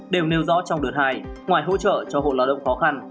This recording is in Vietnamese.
đều nêu rõ trong đợt hai ngoài hỗ trợ cho hộ lao động khó khăn